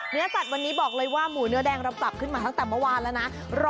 เนื้อสัตว์วันนี้บอกเลยว่าหมูเนื้อแดงเราปรับขึ้นมาตั้งแต่เมื่อวานแล้วนะ